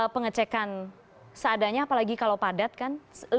pengecekan seadanya apalagi kalau padat kan